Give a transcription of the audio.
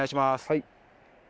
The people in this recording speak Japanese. はい。